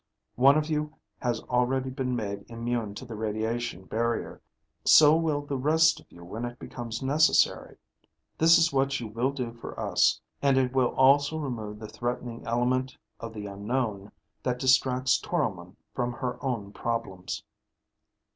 "One of you has already been made immune to the radiation barrier. So will the rest of you when it becomes necessary. This is what you will do for us, and it will also remove the threatening element of the unknown that distracts Toromon from her own problems."